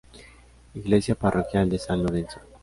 Iglesia parroquial de San Lorenzo.